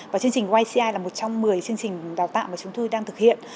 và chương trình wici là một trong một mươi chương trình đào tạo mà chúng tôi đang thực hiện